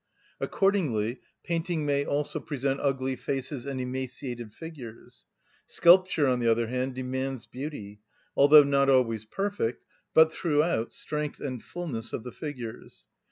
Accordingly painting may also present ugly faces and emaciated figures; sculpture, on the other hand, demands beauty, although not always perfect, but, throughout, strength and fulness of the figures.